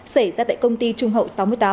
xảy ra tại công ty trung hậu sáu mươi tám